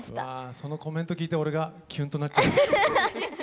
そのコメント聞いて俺がキュンとなっちゃった。